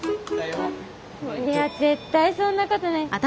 いや絶対そんなことない。